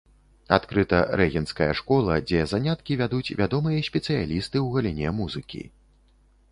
Адкрыта рэгенцкая школа, дзе заняткі вядуць вядомыя спецыялісты ў галіне музыкі.